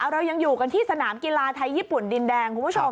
เรายังอยู่กันที่สนามกีฬาไทยญี่ปุ่นดินแดงคุณผู้ชม